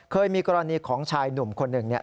เคยมีกรณีของชายหนุ่มคนหนึ่งเนี่ย